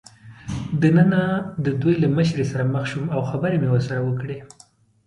دننه د دوی له مشرې سره مخ شوم او خبرې مې ورسره وکړې.